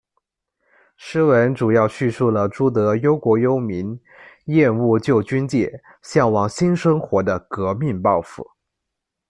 诗文主要叙述了朱德忧国忧民、厌恶旧军界，向往新生活的革命抱负。